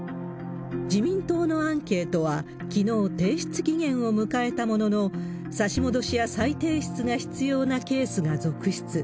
自民党のアンケートは、きのう、提出期限を迎えたものの、差し戻しや再提出が必要なケースが続出。